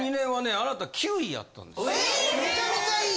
えめちゃめちゃいい！